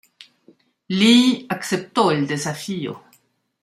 Lee aceptó el desafío.